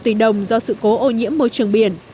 tùy đồng do sự cố ô nhiễm môi trường biển